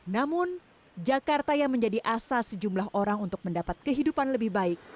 namun jakarta yang menjadi asa sejumlah orang untuk mendapat kehidupan lebih baik